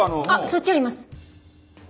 そっちやります。